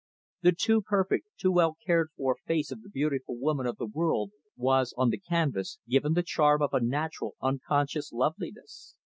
The too perfect, too well cared for face of the beautiful woman of the world was, on the canvas, given the charm of a natural unconscious loveliness.